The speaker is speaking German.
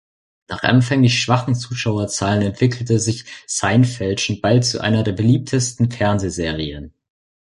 Nach anfänglich schwachen Zuschauerzahlen entwickelte sich "Seinfeld" schon bald zu einer der beliebtesten Fernsehserien.